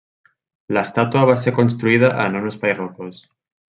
L'estàtua va ser construïda en un espai rocós.